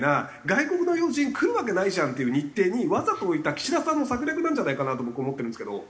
外国の要人来るわけないじゃんっていう日程にわざと置いた岸田さんの策略なんじゃないかなと僕思ってるんですけど。